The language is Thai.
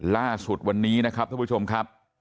ล่าสุดวันนี้นะครับท่านผู้ชมครับ